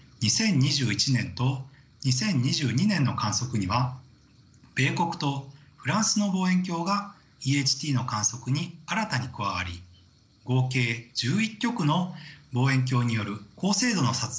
２０２１年と２０２２年の観測には米国とフランスの望遠鏡がＥＨＴの観測に新たに加わり合計１１局の望遠鏡による高精度の撮影が可能となりました。